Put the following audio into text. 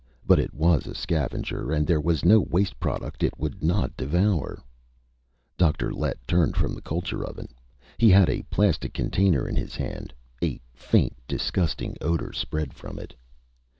But it was a scavenger and there was no waste product it would not devour." Dr. Lett turned from the culture oven. He had a plastic container in his hand. A faint, disgusting odor spread from it.